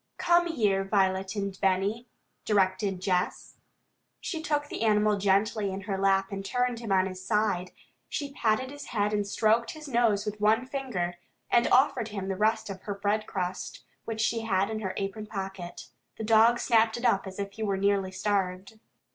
"Come here, Violet and Benny," directed Jess. She took the animal gently in her lap and turned him on his side. She patted his head and stroked his nose with one finger, and offered him the rest of her breadcrust, which she had put in her apron pocket. The dog snapped it up as if he were nearly starved.